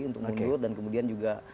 untuk mundur dan kemudian juga